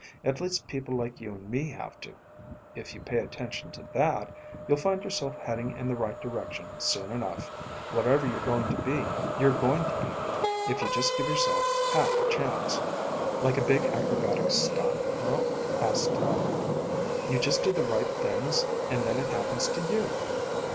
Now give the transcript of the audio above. At least people like you and me have to. If you pay attention to that, you'll find yourself heading in the right direction soon enough. Whatever you're going to be, you're going to be, if you just give yourself half a chance." "Like a big acrobatic stunt, huh?" asked Tel. "You just do the right things and then it happens to you."